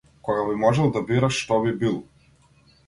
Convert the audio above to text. Кога би можел да бираш, што би бил?